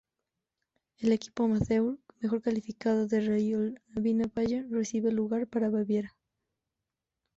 El equipo amateur mejor clasificado de Regionalliga Bayern recibe el lugar para Baviera.